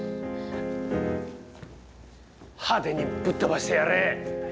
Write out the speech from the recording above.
派手にぶっ飛ばしてやれ！